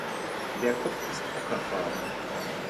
Der Kopf ist ockerfarben.